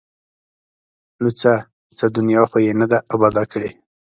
ـ نو څه؟ څه دنیا خو یې نه ده اباده کړې!